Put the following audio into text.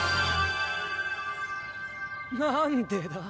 なんでだ？